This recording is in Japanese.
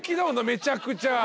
めちゃくちゃ。